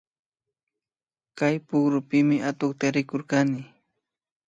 Chay pukrupimi atukta rikurkani